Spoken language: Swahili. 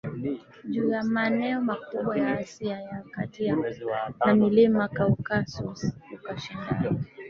juu ya maneo makubwa ya Asia ya Kati na milima Kaukasus ukashindana